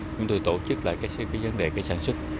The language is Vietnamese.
chúng tôi tổ chức lại vấn đề sản xuất